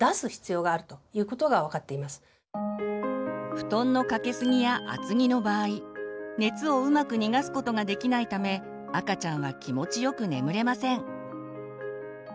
布団のかけすぎや厚着の場合熱をうまく逃がすことができないため赤ちゃんは気持ちよく眠れません。